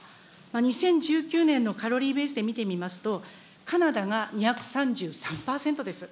２０１９年のカロリーベースで見てみますと、カナダが２３３％です。